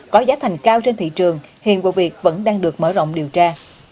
có giá thành cao trên thị trường hiện vụ việc vẫn đang được mở rộng điều tra